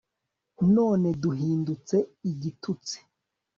none duhindutse igitutsi